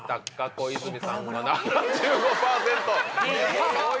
小泉さん７５％。